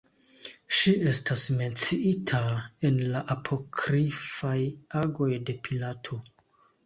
Ŝi estas menciita en la apokrifaj Agoj de Pilato.